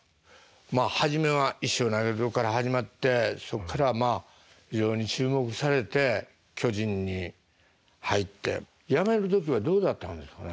まあ初めは石を投げるとこから始まってそっからまあ非常に注目されて巨人に入って辞める時はどうだったんですかね。